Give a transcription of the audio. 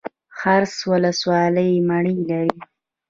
څرخ ولسوالۍ مڼې لري؟